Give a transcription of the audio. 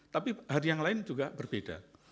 tapi hari yang lain juga berbeda